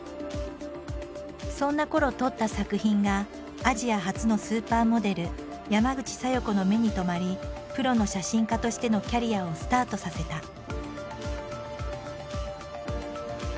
そんなころ撮った作品がアジア初のスーパーモデル山口小夜子の目に留まりプロの写真家としてのキャリアをスタートさせた。